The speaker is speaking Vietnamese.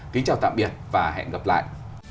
kính chào tạm biệt và hẹn gặp lại